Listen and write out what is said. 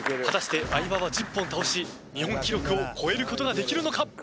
果たして相葉は１０本倒し日本記録を超えることができるのか？